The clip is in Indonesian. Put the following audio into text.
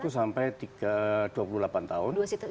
dua puluh satu sampai dua puluh delapan tahun